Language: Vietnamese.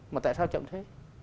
mà tại sao chậm thế